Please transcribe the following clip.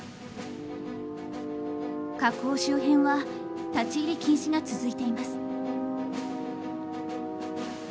火口周辺は立ち入り禁止が続いています。